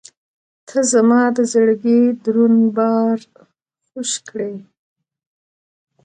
• ته زما د زړګي دروند بار خوږ کړې.